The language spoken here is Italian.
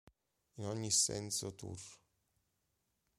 In ogni senso tour